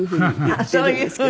あっそういう風に。